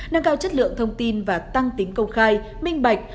nâng cao chất lượng thông tin và tăng tính công khai minh bạch